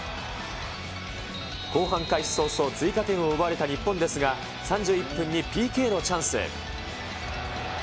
後半開始早々、追加点を奪われた日本ですが、３１分にＰＫのチャンス。